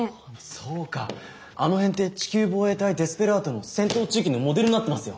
そうかあの辺って「地球防衛隊デスペラード」の戦闘地域のモデルになってますよ。